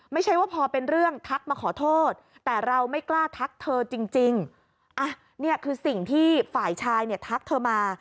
ไม่ใช่ว่าพอเป็นเรื่องทักมาขอโทษแต่เราไม่กล้าทักเธอจริงอ่ะนี่คือสิ่งที่ฝ่ายชายเนี่ยทักเธอมา